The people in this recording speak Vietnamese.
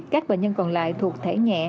các bệnh nhân còn lại thuộc thể nhẹ